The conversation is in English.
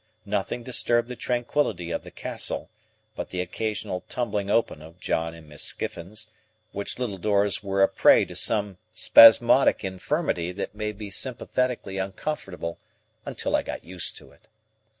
Nothing disturbed the tranquillity of the Castle, but the occasional tumbling open of John and Miss Skiffins: which little doors were a prey to some spasmodic infirmity that made me sympathetically uncomfortable until I got used to it.